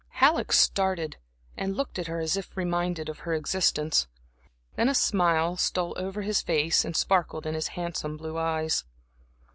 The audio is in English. Halleck started and looked at her as if reminded of her existence. Then a smile stole over his face and sparkled in his handsome blue eyes.